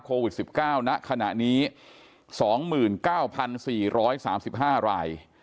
โควิด๑๙ณขณะนี้๒๙๔๓๕ราย